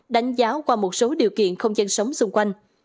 đánh giáo qua một số điều kiện không gian sống xung quanh